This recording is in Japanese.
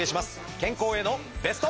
健康へのベスト。